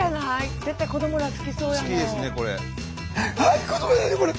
絶対子どもら好きそうやもん。